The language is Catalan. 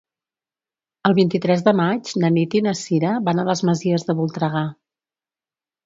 El vint-i-tres de maig na Nit i na Cira van a les Masies de Voltregà.